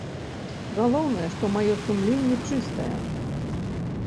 Галоўнае, што маё сумленне чыстае.